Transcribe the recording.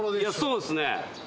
そうですね。